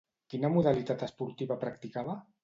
Quina modalitat esportiva practicava?